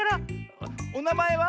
「おなまえは？」。